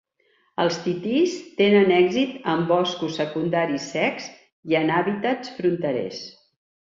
Els titís tenen èxit en boscos secundaris secs i en hàbitats fronterers.